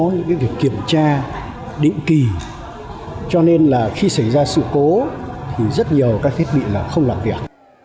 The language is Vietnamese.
những việc kiểm tra định kỳ cho nên là khi xảy ra sự cố thì rất nhiều các thiết bị là không làm việc